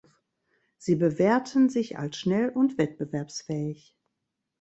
Sie bewährten sich als schnell und wettbewerbsfähig.